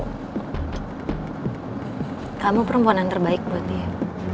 kamu perempuanan terbaik buat dia